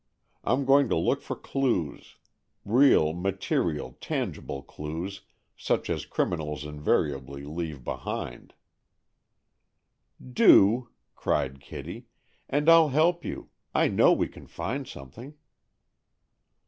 I'm going to look for clues; real, material, tangible clues, such as criminals invariably leave behind them." "Do!" cried Kitty. "And I'll help you. I know we can find something."